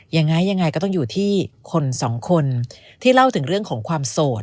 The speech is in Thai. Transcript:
ยังไงยังไงก็ต้องอยู่ที่คนสองคนที่เล่าถึงเรื่องของความโสด